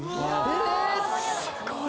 すごい。